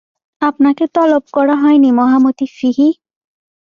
আপনাকে তলব করা হয়নি মহামতি ফিহী।